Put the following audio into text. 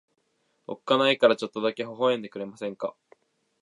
おっかないからちょっとだけ微笑んでくれませんか。